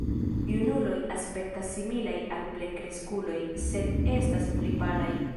Junuloj aspektas similaj al plenkreskuloj, sed estas pli palaj.